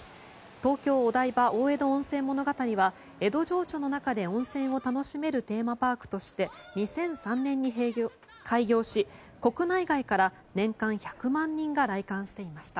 東京お台場大江戸温泉物語は江戸情緒の中で温泉を楽しめるテーマパークとして２００３年に開業し国内外から年間１００万人が来館していました。